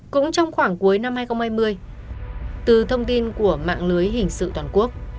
cũng trong khoảng cuối năm hai nghìn hai mươi từ thông tin của mạng lưới hình sự toàn quốc